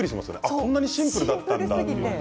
こんなにシンプルなんだと。